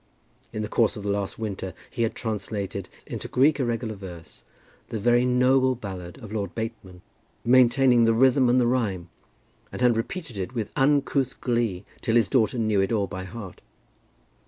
In the course of the last winter he had translated into Greek irregular verse the very noble ballad of Lord Bateman, maintaining the rhythm and the rhyme, and had repeated it with uncouth glee till his daughter knew it all by heart.